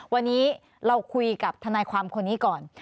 วันนี้เราคุยกับทนายความคนนี้ก่อน